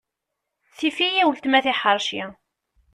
Tifɣ-iyi weltma tiḥerci.